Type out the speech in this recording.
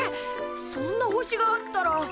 そんな星があったら。